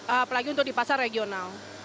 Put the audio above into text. apalagi untuk di pasar regional